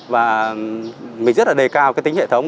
và mình rất là đề cao cái tính hệ thống